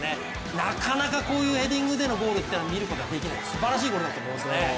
なかなかこういうヘディングでのゴールは見ることはできない、すばらしいゴールだと思いますね。